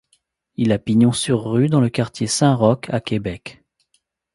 Il a pignon sur rue dans le quartier Saint-Roch à Québec.